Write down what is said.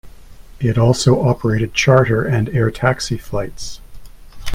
It also operated charter and air taxi flights.